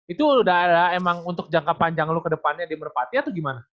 itu udah ada emang untuk jangka panjang lu ke depannya di merpati atau gimana